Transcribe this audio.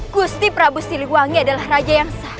gusti prabu siliwangi adalah raja yang sama